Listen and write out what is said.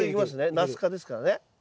ナス科ですからね。